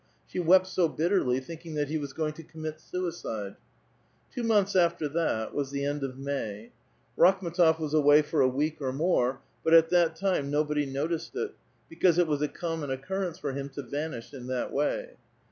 •She wept so bitterly, thinking that he was going to commit suicide. Two months after that was the end of May. Rakhm^tof ^was awa}'^ for a week or more, but at that time nobody noticed it, because it was a common occurrence for him to vanish in that way.